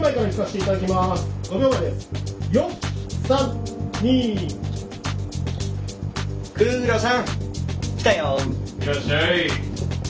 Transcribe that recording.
「いらっしゃい」。